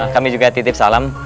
kami juga titip salam